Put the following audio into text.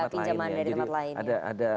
dari tempat lain ada